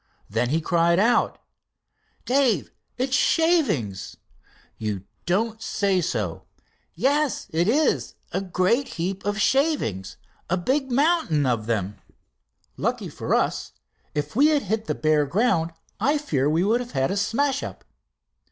Then he cried out: "Dave, it's shavings!" "You don't say so." "Yes, it is a great heap of shavings, a big mountain of them." "Lucky for us. If we had hit the bare ground I fear we would have had a smash up."